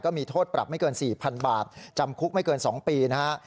มีโทษปรับไม่เกิน๔๐๐๐บาทจำคุกไม่เกิน๒ปีนะฮะ